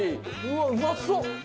うわっうまそう！